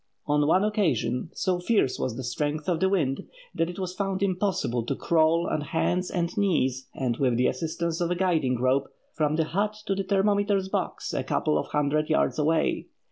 On one occasion, so fierce was the strength of the wind, that it was found impossible to crawl on hands and knees, and with the assistance of a guide rope, from the hut to the thermometer box a couple of hundred yards away.